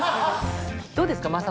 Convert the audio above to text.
どうですか？